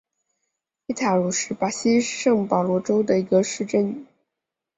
伊塔茹是巴西圣保罗州的一个市镇。